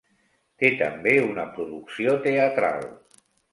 Té també una producció teatral.